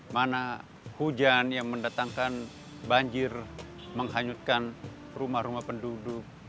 mana hujan yang mendatangkan banjir menghanyutkan rumah rumah penduduk